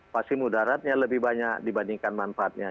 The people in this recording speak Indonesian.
pasti mudaratnya lebih banyak dibandingkan manfaatnya